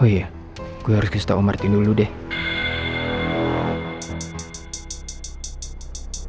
oh iya gue harus kasih tau om martin dulu deh